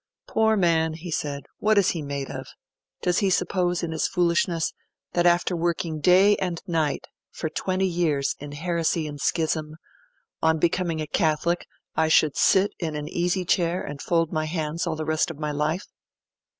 'Poor man,' he said, 'what is he made of? Does he suppose, in his foolishness, that after working day and night for twenty years in heresy and schism, on becoming a Catholic, I should sit in an easy chair and fold my hands all the rest of my life?'